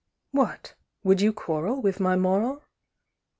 ...... What! Would you quarrel with my moral?